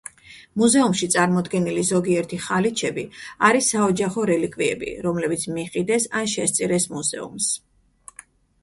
მუზეუმში წარმოდგენილი ზოგიერთი ხალიჩები არის საოჯახო რელიკვიები, რომლებიც მიჰყიდეს ან შესწირეს მუზეუმს.